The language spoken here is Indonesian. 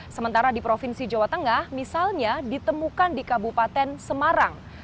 sementara di provinsi jawa tengah misalnya ditemukan di kabupaten semarang